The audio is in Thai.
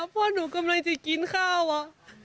พ่อหนูกำลังจะกินข้าวอะ